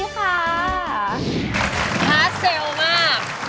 ฮาร์ดเซลล์มาก